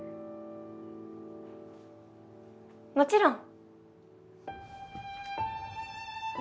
もちろん！